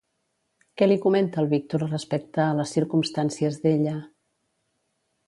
Què li comenta el Víctor respecte a les circumstàncies d'ella?